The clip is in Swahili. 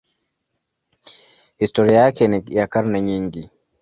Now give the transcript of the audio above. Historia yake ni ya karne nyingi.